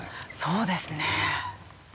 そうですね。